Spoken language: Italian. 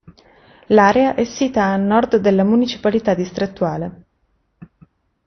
L'area è sita a nord della municipalità distrettuale.